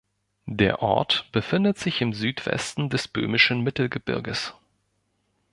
Der Ort befindet sich im Südwesten des Böhmischen Mittelgebirges.